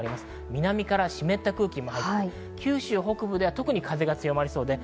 南から湿った空気が九州北部は特に風が強まりそうです。